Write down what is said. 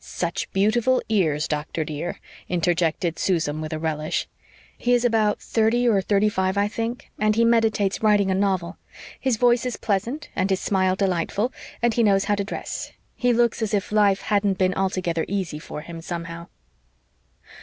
"Such beautiful ears, doctor, dear," interjected Susan with a relish. "He is about thirty or thirty five, I think, and he meditates writing a novel. His voice is pleasant and his smile delightful, and he knows how to dress. He looks as if life hadn't been altogether easy for him, somehow."